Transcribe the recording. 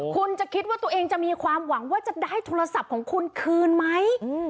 คุณจะคิดว่าตัวเองจะมีความหวังว่าจะได้โทรศัพท์ของคุณคืนไหม